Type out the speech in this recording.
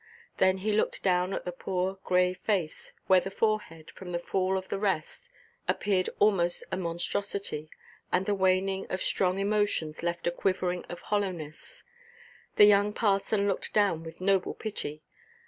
Then he looked down at the poor grey face, where the forehead, from the fall of the rest, appeared almost a monstrosity, and the waning of strong emotions left a quivering of hollowness. The young parson looked down with noble pity.